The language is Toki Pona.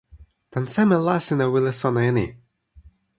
tan seme la sina wile sona e ni?